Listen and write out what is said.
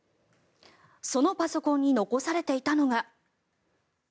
そのパソコンに残されていたのが。